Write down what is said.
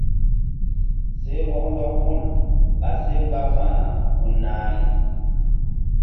Seh wɔk ndɔk hul ɓa seh mgba va̧na gun nahi.